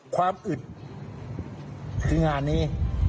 ความอึดคืองานนี้